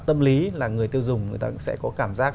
tâm lý là người tiêu dùng người ta sẽ có cảm giác